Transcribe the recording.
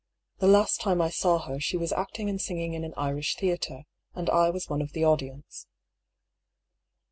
The last time I saw her she was acting and singing in an Irish theatre, and I was one of the audience."